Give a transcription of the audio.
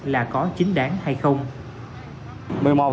là có chính đáng hay không